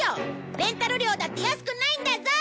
レンタル料だって安くないんだぞ！